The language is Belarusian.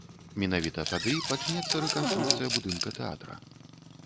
Менавіта тады пачнецца рэканструкцыя будынка тэатра.